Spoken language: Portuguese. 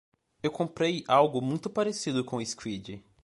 Eu comprei algo muito parecido com o squid.